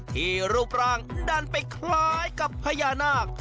รูปร่างดันไปคล้ายกับพญานาค